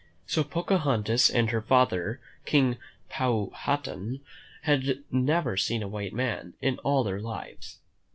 So Pocahontas and her father, King Powhatan, had never seen a white man in all their lives.